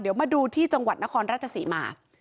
เดี๋ยวมาดูที่จังหวัดนครราชศรีมา